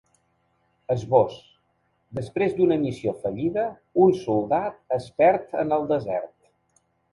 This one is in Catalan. Esbós: Després d’una missió fallida, un soldat es perd en el desert.